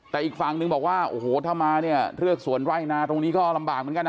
แต่อีกฝั่งนึงบอกว่าโอ้โหถ้ามาเนี่ยเรือกสวนไร่นาตรงนี้ก็ลำบากเหมือนกันนะ